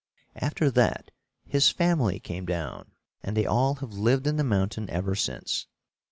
After that, his family came down, and they all have lived in the mountain ever since.